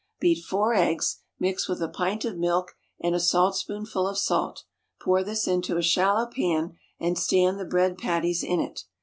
Beat four eggs; mix with a pint of milk and a saltspoonful of salt; pour this into a shallow pan, and stand the bread patties in it.